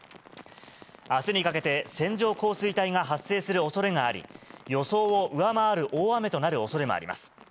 あすにかけて線状降水帯が発生するおそれがあり、予想を上回る大雨となるおそれもあります。